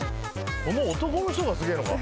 この男の人がすげえのか？